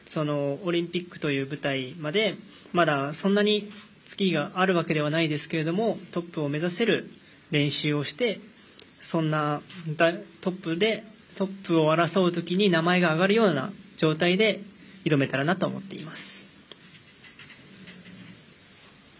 オリンピックという舞台までそんなに月日があるわけではないですがトップを目指せる練習をしてトップを争うときに名前が挙がるような状態で挑めたらなと思っています。